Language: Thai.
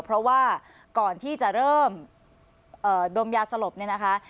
เพราะว่าก่อนที่จะเริ่มดมยาสลบเนี่ยนะคะ